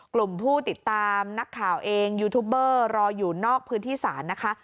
กลุ่มผู้ติดตามนักข่าวเองยูทูบเบอร์รออยู่นอกพื้นที่ศาลนะคะ